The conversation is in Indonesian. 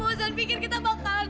bukankah kita akan